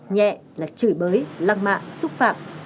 nhẹ là chửi bới lăng mạ xúc phạm